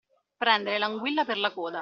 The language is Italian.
Prendere l'anguilla per la coda.